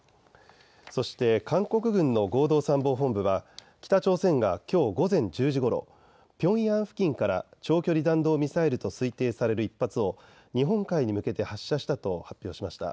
そして韓国軍の合同参謀本部は北朝鮮がきょう午前１０時ごろ、ピョンヤン付近から長距離弾道ミサイルと推定される１発を日本海に向けて発射したと発表しました。